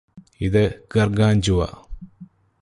ഇത് ഗർഗാഞ്ചുവ